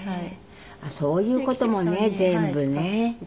そういう事もね全部ね。